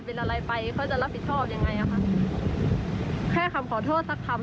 เป็นอะไรไปเขาจะรับผิดชอบยังไงอ่ะคะแค่คำขอโทษสักคำ